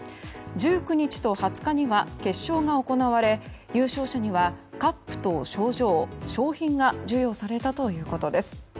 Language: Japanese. １９日と２０日には決勝が行われ優勝者にはカップと賞状、賞品が授与されたということです。